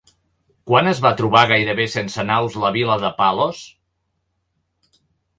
Quan es va trobar gairebé sense naus la vila de Palos?